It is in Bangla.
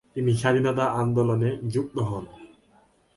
তিনি স্বাধীনতা আন্দোলনে যুক্ত হন।